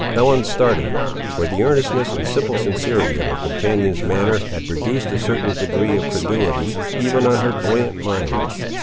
Ellen started; for the earnestness and simple sincerity of her companion's manner had produced a certain degree of credulity, even on her buoyant mind.